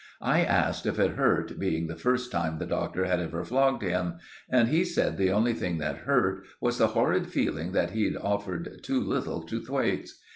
I asked if it hurt, being the first time the Doctor had ever flogged him, and he said the only thing that hurt was the horrid feeling that he'd offered too little to Thwaites.